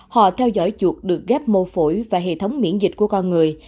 họ theo dõi chuột được ghép mô phổi và hệ thống miễn dịch của con người